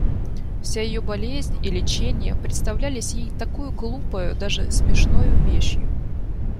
Вся ее болезнь и леченье представлялись ей такою глупою, даже смешною вещью!